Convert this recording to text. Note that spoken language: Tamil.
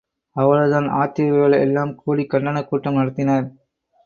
அவ்வளவுதான் ஆத்திகர்கள் எல்லாம் கூடிக் கண்டனக் கூட்டம் நடத்தினர்.